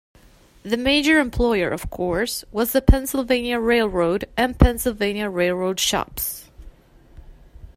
The major employer, of course, was the Pennsylvania Railroad and Pennsylvania Railroad Shops.